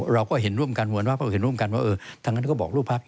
เราก็เห็นร่วมกันวันว่าเห็นร่วมกันว่าเออทั้งนั้นก็บอกลูกพลักษณ์